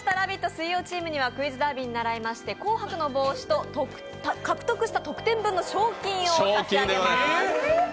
水曜チームには「クイズダービー」にならいまして「紅白」の帽子と獲得した得点分の賞金を差し上げます。